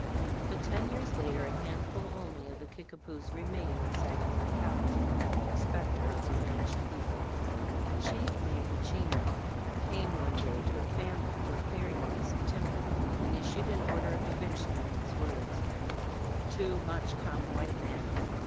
But ten years later a handful only of the Kickapoos remained in Sangamon County, the specter of the vanished people. A chief named Machina came one day to a family who were clearing a piece of timber, and issued an order of eviction in these words: "Too much come white man.